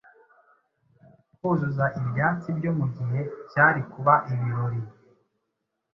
kuzuza ibyatsi byo mu gihe cyari kuba ibirori